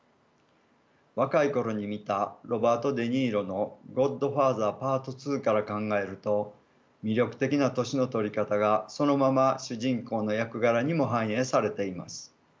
若い頃に見たロバート・デ・ニーロの「ゴッドファーザーＰＡＲＴⅡ」から考えると魅力的な年の取り方がそのまま主人公の役柄にも反映されています。